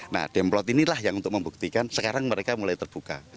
nah demplot inilah yang untuk membuktikan sekarang mereka mulai terbuka